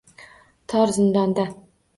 Tor zindonda